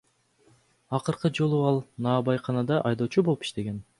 Акыркы жолу ал наабайканада айдоочу болуп иштеген.